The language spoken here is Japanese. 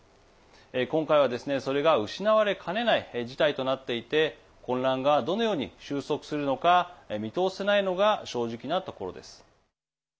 今回はですね、それが失われかねない事態となっていて混乱がどのように終息するのか見通せないのが正直なところです。